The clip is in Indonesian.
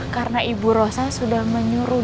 karena ibu rosa sudah menyuruh